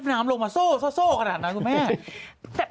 รู้แกเห้ลงมาโซ่ขนาดนั้นกูแม่